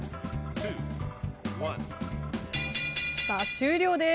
終了です。